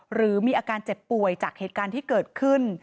หรือมีอาการเจ็บป่วยจากเหตุการณ์ที่เกิดขึ้น